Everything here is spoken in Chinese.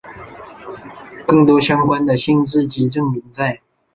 更多相关的性质及证明在。